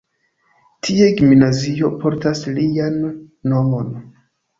Tie gimnazio portas lian nomon.